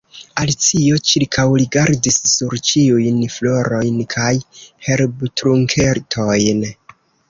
Alicio ĉirkaŭrigardis sur ĉiujn florojn kaj herbtrunketojn.